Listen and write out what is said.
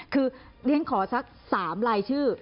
คือเรียนขอสัก๓ลายชื่อ